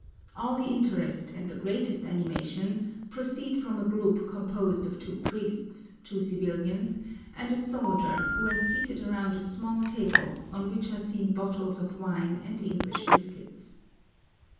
All the interest and the greatest animation proceed from a group composed of two priests, two civilians, and a soldier who are seated around a small table on which are seen bottles of wine and English biscuits.